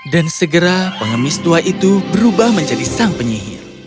dan segera pengemis tua itu berubah menjadi sang penyihir